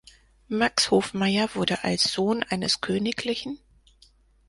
Max Hofmeier wurde als Sohn eines kgl.